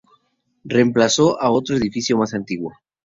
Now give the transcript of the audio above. Reemplazó a otro edificio más antiguo.